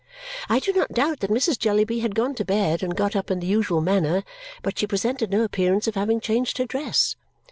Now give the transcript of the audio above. I do not doubt that Mrs. Jellyby had gone to bed and got up in the usual manner, but she presented no appearance of having changed her dress.